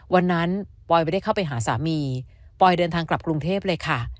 วันนั้นปอยไม่ได้เข้าไปหาสามีปอยเดินทางกลับกรุงเทพเลยค่ะ